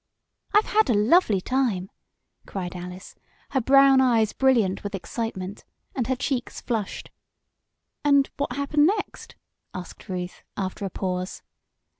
I've had a lovely time!" cried Alice, her brown eyes brilliant with excitement, and her cheeks flushed. "And what happened next?" asked Ruth, after a pause.